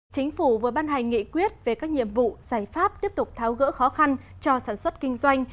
chính phủ vừa ban hành nghị quyết về các nhiệm vụ giải pháp tiếp tục tháo gỡ khó khăn cho sản xuất kinh doanh